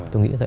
tôi nghĩ thế